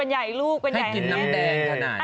ให้กินน้ำแดงธนาด